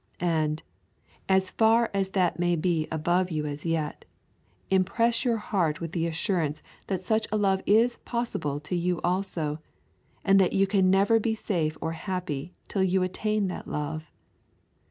And, far as that may be above you as yet, impress your heart with the assurance that such a love is possible to you also, and that you can never be safe or happy till you attain to that love.